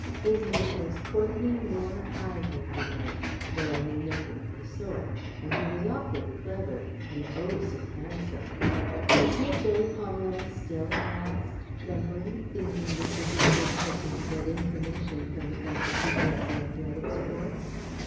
His name was Courtenay Moore Ivor, you know though I knew nothing of the sort. And he was awfully clever. And, oh, so handsome! "Is he at Berry Pomeroy still?" I asked, trembling, thinking this would be a good person to get information from about the people at the Athletic Sports.